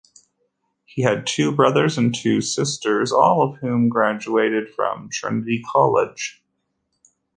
He had two brothers and two sisters, all of whom graduated from Trinity College.